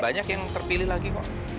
banyak yang terpilih lagi kok